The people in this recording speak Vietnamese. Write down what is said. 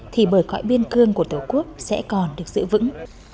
thì bởi cõi biên cương của tổ quốc sẽ còn được giữ vững